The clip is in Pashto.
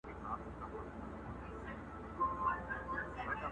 نن هغه غشي د خور ټيكري پېيلي،